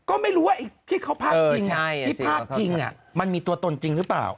ก็ไม่รู้ว่าไอ้ที่เขาพาดพิงที่พาดพิงมันมีตัวตนจริงหรือเปล่า